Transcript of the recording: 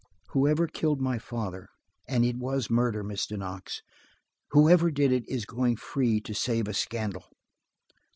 "Whoever killed my father–and it was murder, Mr. Knox–whoever did it is going free to save a scandal.